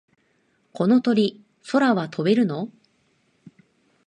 この鳥、空は飛べるの？